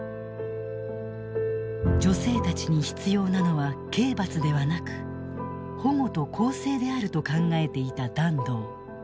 女性たちに必要なのは刑罰ではなく保護と更生であると考えていた團藤。